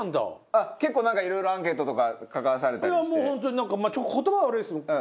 あっ結構なんかいろいろアンケートとか書かされたりして？